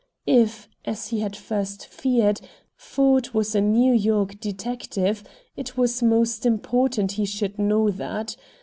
If, as he had first feared, Ford was a New York detective, it was most important he should know that.